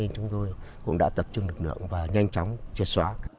chúng tôi cũng đã tập trung lực lượng và nhanh chóng triệt xóa